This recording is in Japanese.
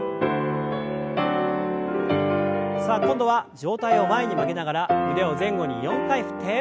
さあ今度は上体を前に曲げながら腕を前後に４回振って。